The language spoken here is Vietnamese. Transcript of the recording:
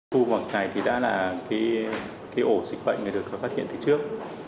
khu vực này thì đã là cái ổ dịch bệnh được phát hiện từ trước